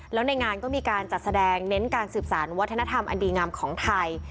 แล้วในงานก็มีการจัดแสดงเน้นการสืบสารวัฒนธรรมอันดีงามของไทย